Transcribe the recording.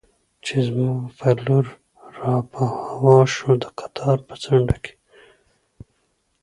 چې زما پر لور را په هوا شو، د قطار په څنډه کې.